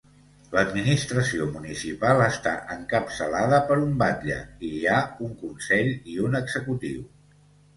L'administració municipal està encapçalada per un batlle i hi ha un consell i un executiu.